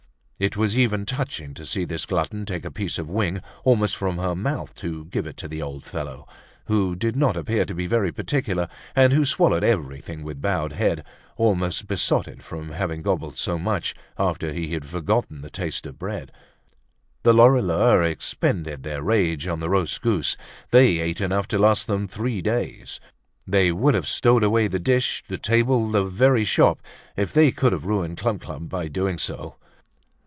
It was even touching to see this glutton take a piece of wing almost from her mouth to give it to the old fellow, who did not appear to be very particular, and who swallowed everything with bowed head, almost besotted from having gobbled so much after he had forgotten the taste of bread. The Lorilleuxs expended their rage on the roast goose; they ate enough to last them three days; they would have stowed away the dish, the table, the very shop, if they could have ruined Clump clump by doing so.